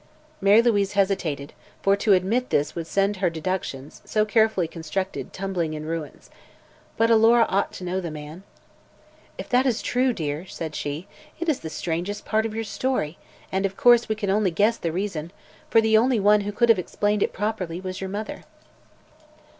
Mary Louise hesitated, for to admit this would send her deductions, so carefully constructed, tumbling in ruins. But Alora ought to know the man. "If that is true, dear," said she, "it is the strangest part of your story; and, of course, we can only guess the reason, for the only one who could have explained it properly was your mother."